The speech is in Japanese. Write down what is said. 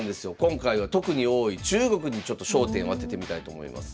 今回は特に多い中国にちょっと焦点を当ててみたいと思います。